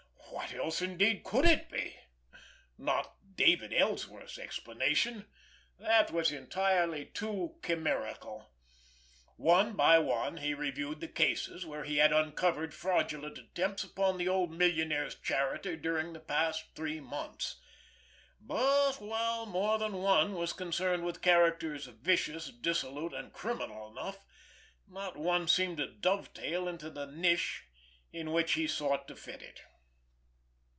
What else, indeed, could it be? Not David Ellsworth's explanation! That was entirely too chimerical! One by one he reviewed the cases where he had uncovered fraudulent attempts upon the old millionaire's charity during the past three months; but, while more than one was concerned with characters vicious, dissolute and criminal enough, not one seemed to dovetail into the niche in which he sought to fit it.